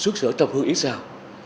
sướng sở trồng hương yến rào